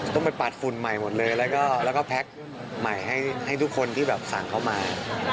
ต้องไปปัดฝุ่นใหม่หมดเลยแล้วก็แพ็คใหม่ให้ทุกคนที่แบบสั่งเข้ามา